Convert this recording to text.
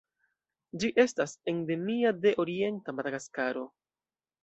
Ĝi estas endemia de orienta Madagaskaro.